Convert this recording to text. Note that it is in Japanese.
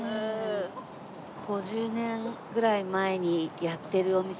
５０年ぐらい前にやってるお店が。